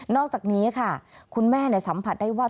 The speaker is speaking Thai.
อกจากนี้ค่ะคุณแม่สัมผัสได้ว่า